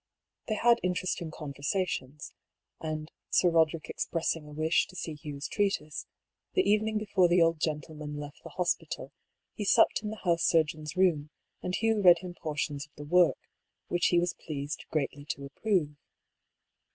They had interesting conversations, and Sir Roderick expressing a wish to see Hugh's treatise, the evening before the old gentleman left the hospital he supped in the house surgeon's room, and Hugh read him portions of the work, which he was pleased greatly to approve.